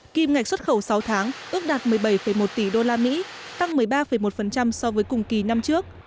kim ngạch xuất khẩu sáu tháng ước đạt một mươi bảy một tỷ usd tăng một mươi ba một so với cùng kỳ năm trước